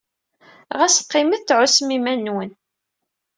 Ɣas qqimet tɛussem iman-nwen.